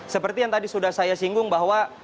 seperti yang tadi sudah saya singgung bahwa